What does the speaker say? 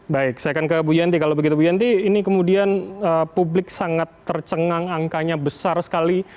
baik saya akan ke bu yanti kalau begitu bu yanti ini kemudian publik sangat tercengang angkanya besar sekali